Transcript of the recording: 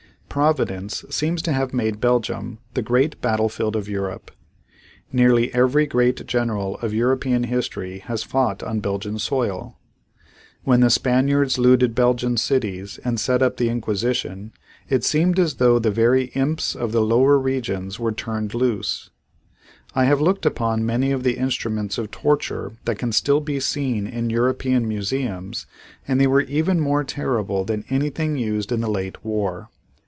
Providence seems to have made Belgium the great battlefield of Europe. Nearly every great general of European history has fought on Belgian soil. When the Spaniards looted Belgian cities and set up the inquisition it seemed as though the very imps of the lower regions were turned loose. I have looked upon many of the instruments of torture that can still be seen in European museums and they were even more terrible than anything used in the late war.